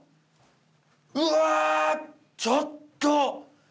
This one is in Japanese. うわちょっと！